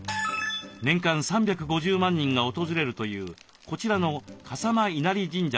年間３５０万人が訪れるというこちらの笠間稲荷神社でしょうか？